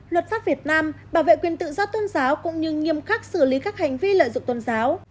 luật pháp việt nam bảo vệ quyền tự do tôn giáo cũng như nghiêm khắc xử lý các hành vi lợi dụng tôn giáo